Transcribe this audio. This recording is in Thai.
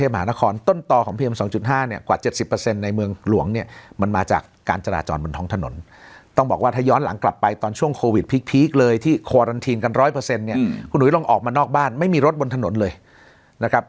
เอาท่าในเมืองใหญ่ก่อนนะครับอย่างกรุงเทพฯมหานคร